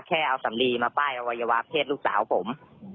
แค่เอาสำลีมาป้ายอวัยวะเพศลูกสาวผม